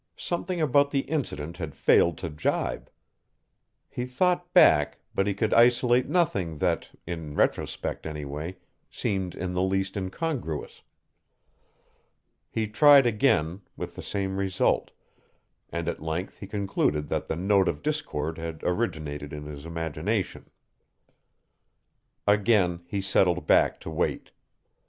Something about the incident had failed to jibe. He thought back, but he could isolate nothing that, in retrospect anyway, seemed in the least incongruous. He tried again, with the same result, and at length he concluded that the note of discord had originated in his imagination. Again, he settled back to wait.